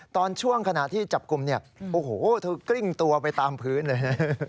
ตอนช่วงขณะที่จับกลุ่มเนี่ยโอ้โหเธอกลิ้งตัวไปตามพื้นเลย